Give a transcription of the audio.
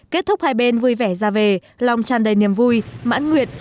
kết thúc hai bên vui vẻ ra về lòng tràn đầy niềm vui mãn nguyện